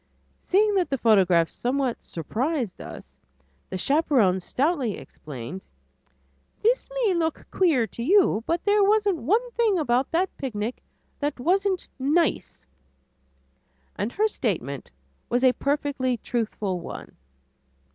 Seeing that the photograph somewhat surprised us, the chaperon stoutly explained, "This may look queer to you, but there wasn't one thing about that picnic that wasn't nice," and her statement was a perfectly truthful one.